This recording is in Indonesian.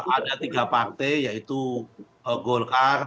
ada tiga partai yaitu golkar